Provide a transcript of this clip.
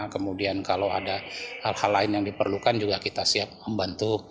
kemudian kalau ada hal hal lain yang diperlukan juga kita siap membantu